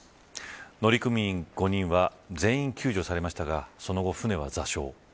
乗組員５人は全員救助されましたがその後、船は座礁。